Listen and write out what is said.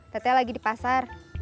teteh lagi di pasar